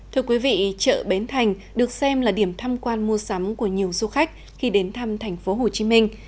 thưa quý vị chợ bến thành được xem là điểm tham quan mua sắm của nhiều du khách khi đến thăm thành phố hồ chí minh